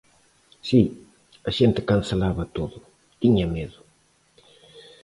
Si, a xente cancelaba todo, tiña medo.